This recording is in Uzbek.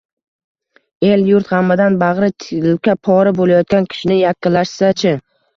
el-yurt g’amidan bag’ri tilka-pora bo’layotgan kishini yakkalashsa-chi?